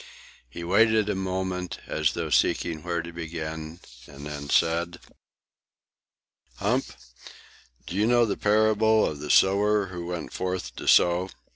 He waited a moment, as though seeking where to begin, and then said: "Hump, do you know the parable of the sower who went forth to sow?